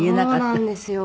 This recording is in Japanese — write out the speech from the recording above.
そうなんですよ。